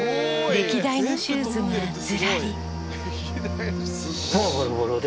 歴代のシューズがずらり。